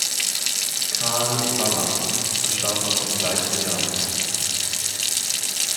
Karl Wallach verstarb noch im gleichen Jahr.